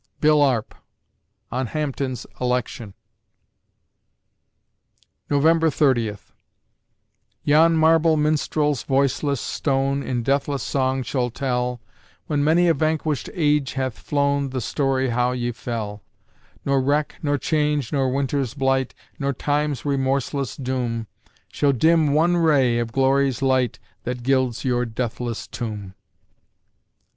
BILL ARP (On Hampton's Election) November Thirtieth Yon marble minstrel's voiceless stone In deathless song shall tell, When many a vanquished age hath flown, The story how ye fell; Nor wreck, nor change, nor winter's blight, Nor Time's remorseless doom, Shall dim one ray of glory's light That gilds your deathless tomb.